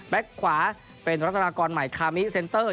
ขวาเป็นรัฐนากรใหม่คามิเซ็นเตอร์